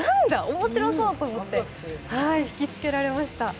面白そう！と思って引きつけられました。